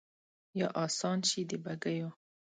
یا آسان شي د بګیو